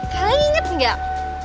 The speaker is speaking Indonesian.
kalian inget gak